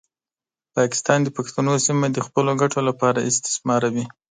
پاکستان د پښتنو سیمه د خپلو ګټو لپاره استثماروي.